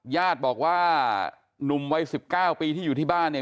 ญาติบอกว่าหนุ่มวัย๑๙ปีที่อยู่ที่บ้านเนี่ย